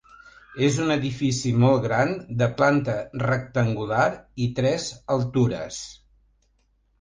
És un edifici molt gran, de planta rectangular i tres altures.